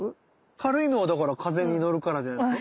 軽いのはだから風に乗るからじゃないですか？